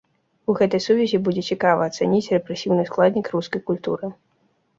У гэтай сувязі будзе цікава ацаніць рэпрэсіўны складнік рускай культуры.